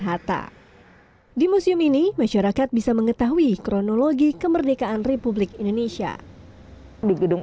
hatta di museum ini masyarakat bisa mengetahui kronologi kemerdekaan republik indonesia di gedung